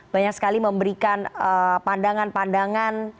banyak sekali memberikan pandangan pandangan